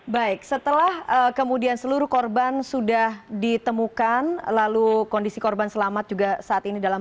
baik setelah kemudian seluruh korban sudah ditemukan lalu kondisi korban selamat juga saat ini dalam